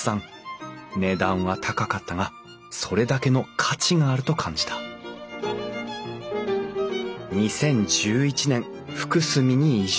値段は高かったがそれだけの価値があると感じた２０１１年福住に移住。